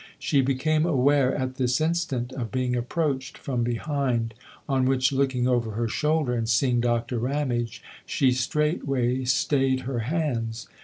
She became aware, at this instant, of being approached from behind ; on which, looking 106 THE OTHER HOUSE over her shoulder and seeing Doctor Ramage, she straightway stayed her hands.